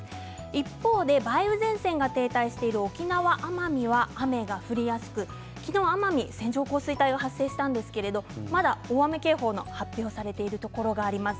一方で梅雨前線が停滞している沖縄・奄美は雨が降りやすく昨日、奄美、線状降水帯が発生したんですがまだ大雨警報が発表されてるところがあります。